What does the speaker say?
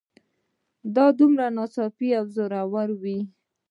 دا عمل دومره ناڅاپي او زوراور وي